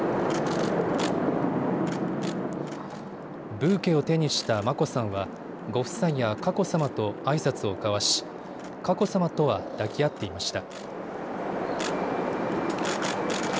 ブーケを手にした眞子さんはご夫妻や佳子さまとあいさつを交わし佳子さまとは抱き合っていました。